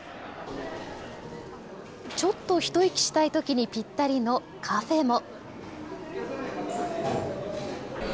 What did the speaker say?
ちょっと一息したいときにピッタリのカフェも。